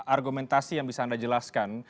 argumentasi yang bisa anda jelaskan